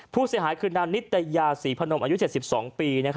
ผู้เสียหายคือนางนิตยาศรีพนมอายุ๗๒ปี